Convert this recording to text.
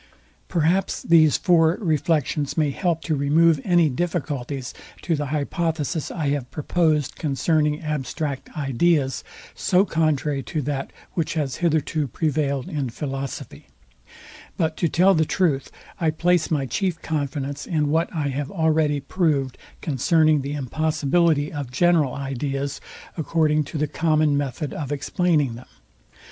Perhaps these four reflections may help to remove an difficulties to the hypothesis I have proposed concerning abstract ideas, so contrary to that, which has hitherto prevailed in philosophy, But, to tell the truth I place my chief confidence in what I have already proved concerning the impossibility of general ideas, according to the common method of explaining them.